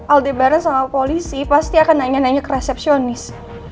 aldebaran sama polisi pasti akan nanya nanya ke resepsionis